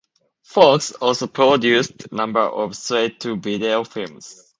Fox also produced number of straight-to-video films.